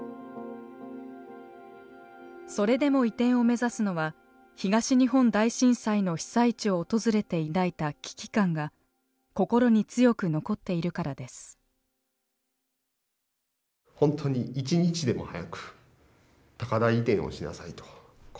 それでも移転を目指すのは東日本大震災の被災地を訪れて抱いた危機感が心に強く残っているからです。